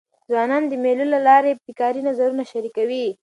ځوانان د مېلو له لاري ابتکاري نظرونه شریکوي.